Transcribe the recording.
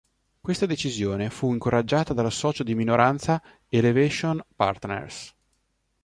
Questa decisione fu incoraggiata dal socio di minoranza Elevation Partners.